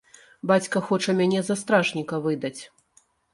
Бацька хоча мяне за стражніка выдаць.